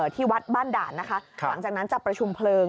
ที่วัดบ้านด่านนะคะหลังจากนั้นจะประชุมเพลิง